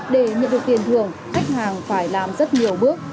để nhận được tiền thường khách hàng phải làm rất nhiều bước